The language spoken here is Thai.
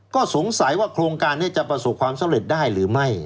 ก็สงสัยว่าโครงการนี้จะประสบความสำเร็จได้หรือไม่